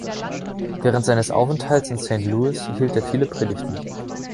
Während seines Aufenthalts in Saint Louis hielt er viele Predigten.